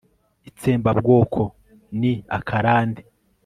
ITSEMBABWOKO NI AKARANDE